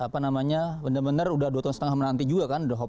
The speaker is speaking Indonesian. benar benar sudah dua tahun setengah menanti juga kan